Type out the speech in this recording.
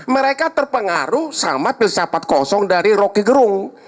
mereka terpengaruh sama filsafat kosong dari rocky gerung